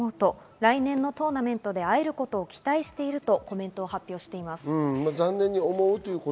来年のトーナメントで会えることを楽しみにしていると発表しています。